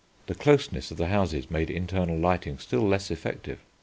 The closeness of the houses made internal lighting still less effective.